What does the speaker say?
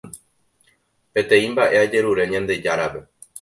Peteĩ mba'e ajerure Ñandejárape